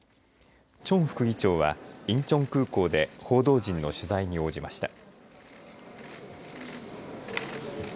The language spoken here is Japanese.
チョン副議長はインチョン空港で報道陣の取材に応じました。